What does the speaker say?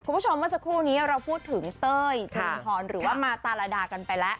เมื่อสักครู่นี้เราพูดถึงเต้ยจรินพรหรือว่ามาตาลาดากันไปแล้ว